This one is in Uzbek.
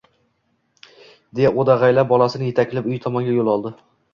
deya o'dag'aylab, bolasini yetaklab uyi tomonga yo'l oldi.